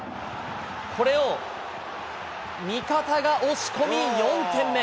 これを味方が押し込み、４点目。